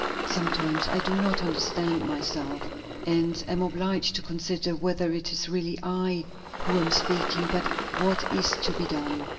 Sometimes I do not understand myself, and am obliged to consider whether it is really I who am speaking; but what is to be done?